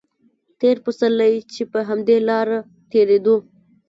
تېر پسرلی چې په همدې لاره تېرېدو.